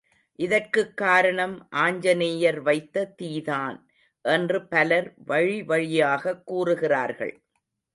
இதற்குக் காரணம் ஆஞ்சநேயர் வைத்த தீதான் என்று பலர் வழிவழியாகக் கூறுகிறார்கள்.